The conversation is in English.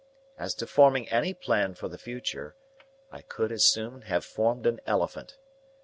As to forming any plan for the future, I could as soon have formed an elephant.